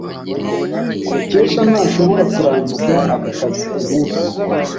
Mukesha ntashobora kurangiza aka kazi kumunsi.